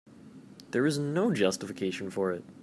There was no justification for it.